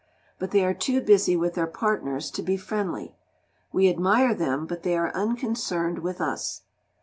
But they are too busy with their partners to be friendly. We admire them, but they are unconcerned with us.